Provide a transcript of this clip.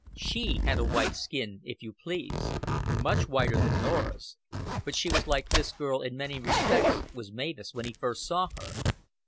She had a white skin if you please; much whiter than Norah's; but she was like this girl in many respects, was Mavis when he first saw her.